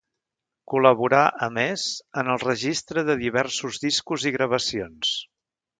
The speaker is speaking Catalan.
Col·laborà, a més, en el registre de diversos discos i gravacions.